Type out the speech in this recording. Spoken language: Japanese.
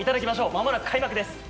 まもなく開幕です。